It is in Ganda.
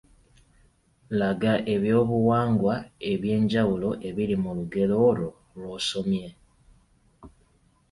Laga eby’obuwangwa eby’enjawulo ebiri mu lugero olwo lwosomye.